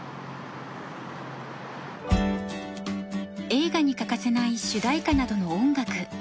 映画に欠かせない主題歌などの音楽。